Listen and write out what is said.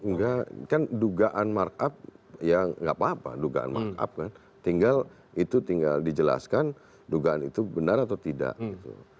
enggak kan dugaan mark up ya gak apa apa dugaan mark up kan tinggal itu tinggal dijelaskan dugaan itu benar atau tidak gitu